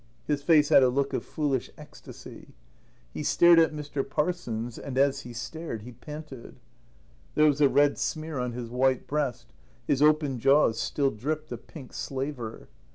His face had a look of foolish ecstasy. He stared at Mr. Parsons, and as he stared he panted. There was a red smear on his white breast; his open jaws still dripped a pink slaver.